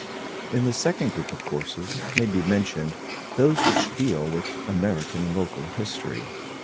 In the second group of courses may be mentioned those which deal with American local history.